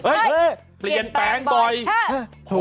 เฮ่ยเปลี่ยนแฟนบ่อยเห้อ